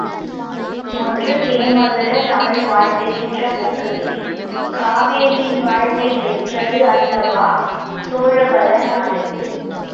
ஒன்று தேமதுரத் தமிழ் வாழ்த்துகின்ற பொங்குவிரி காவிரியின் வாழ்த்தைப் பெற்றது அல்லவா சோழவள நாடு!